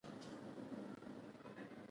تحلیل یوه پروسه ده چې شی پکې تجزیه کیږي.